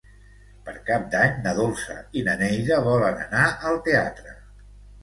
Per Cap d'Any na Dolça i na Neida volen anar al teatre.